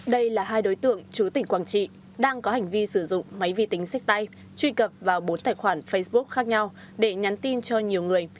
đây là hai đối tượng chú tỉnh quảng trị đang có hành vi sử dụng máy vi tính xếp tay truy cập vào bốn tài khoản facebook khác nhau để nhắn tin cho nhiều người